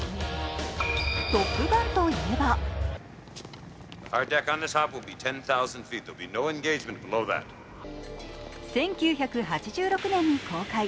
「トップガン」といえば１９８６年に公開。